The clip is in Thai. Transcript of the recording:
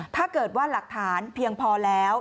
ถ้าเกิดว่าหลักฐานเพียงพอแล้ว